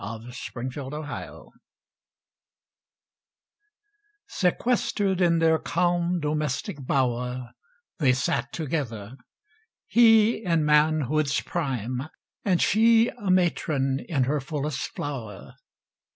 DOMESTIC BLISS IV Sequestered in their calm domestic bower, They sat together. He in manhood's prime And she a matron in her fullest flower.